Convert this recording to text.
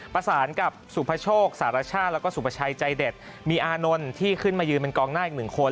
ประสานกับสุพโชคสารชาติแล้วก็สุประชัยใจเด็ดมีอานนท์ที่ขึ้นมายืนเป็นกองหน้าอีกหนึ่งคน